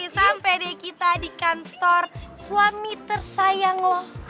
sampai deh kita di kantor suami tersayang loh